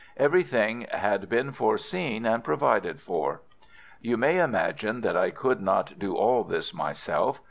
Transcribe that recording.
Everything had been foreseen and provided for. "You may imagine that I could not do all this myself.